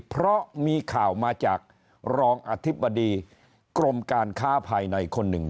เพราะมีข่าวมาจากรองอธิบดีกรมการค้าภายในคนหนึ่ง